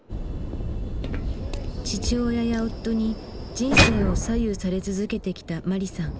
父親や夫に人生を左右され続けてきたマリさん。